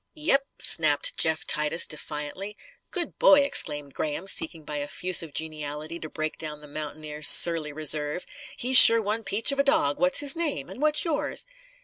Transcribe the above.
"Yep!" snapped Jeff Titus, defiantly. "Good boy!" exclaimed Graham, seeking by effusive geniality to break down the mountaineer's surly reserve. "He's sure one peach of a dog! What's his name? And what's yours?"